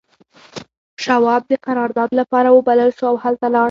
شواب د قرارداد لپاره وبلل شو او هلته لاړ